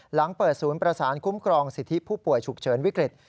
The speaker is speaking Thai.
หลังเปิดศูนย์ประสานคุ้มครองสิทธิผู้ป่วยฉุกเฉินวิกฤต